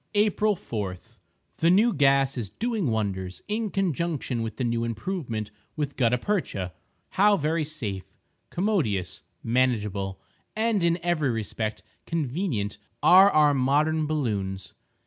April 4.—The new gas is doing wonders, in conjunction with the new improvement with gutta percha. How very safe, commodious, manageable, and in every respect convenient are our modern balloons!